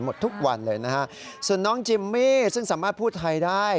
หมดทุกวันเลยนะฮะส่วนน้องจิมมี่ซึ่งสามารถพูดไทยได้